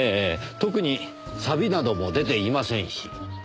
特にサビなども出ていませんし。